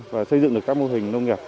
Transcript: và xây dựng được các mô hình nông nghiệp